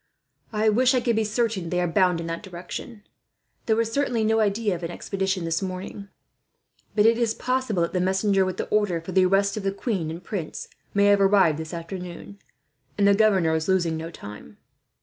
"I wish I could be certain they are bound in that direction. There was certainly no idea of an expedition this morning, but it is possible that the messenger with the order for the arrest of the queen and prince may have arrived this afternoon, and the governor is losing no time.